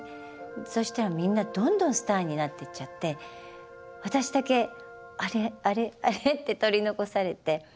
そしたらみんなどんどんスターになってっちゃって私だけ「あれ？あれ？あれ？」って取り残されて。